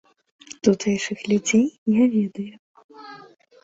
Тутэйшых людзей я ведаю.